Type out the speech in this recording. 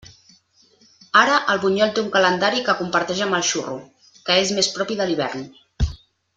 Ara el bunyol té un calendari que comparteix amb el xurro, que és més propi de l'hivern.